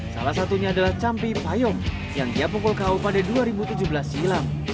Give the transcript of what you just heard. salah satunya adalah campi payong yang dia pukul ku pada dua ribu tujuh belas silam